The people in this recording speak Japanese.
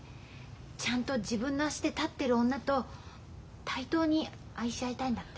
ちゃんと自分の足で立ってる女と対等に愛し合いたいんだって。